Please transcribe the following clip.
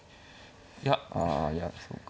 ああいやそうか。